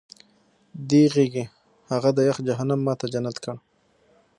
دې غېږې هغه د یخ جهنم ما ته جنت کړ